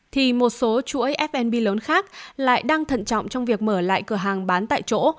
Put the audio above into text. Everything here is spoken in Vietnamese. thì một số chuỗi fnb lớn khác lại đang thận trọng trong việc mở lại cửa hàng bán tại chỗ